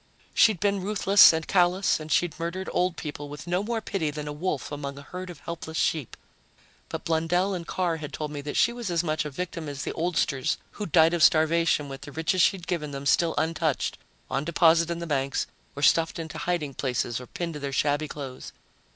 She'd been ruthless and callous, and she'd murdered old people with no more pity than a wolf among a herd of helpless sheep. But Blundell and Carr had told me that she was as much a victim as the oldsters who'd died of starvation with the riches she'd given them still untouched, on deposit in the banks or stuffed into hiding places or pinned to their shabby clothes.